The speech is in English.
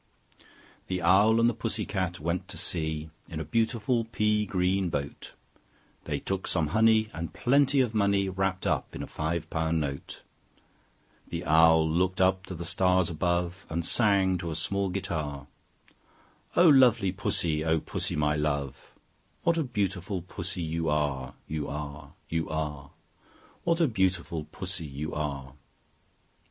The Owl and the Pussy Cat went to sea In a beautiful pea green boat: They took some honey, and plenty of money Wrapped up in a five pound note. The Owl looked up to the stars above, And sang to a small guitar, "O lovely Pussy, O Pussy, my love, What a beautiful Pussy you are, You are, You are! What a beautiful Pussy you are!"